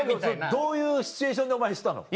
どういうシチュエーションでお前したの？